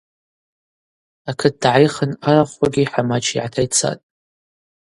Акыт дгӏайхын арахвквагьи йхӏамач йгӏатайцатӏ.